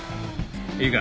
いいか？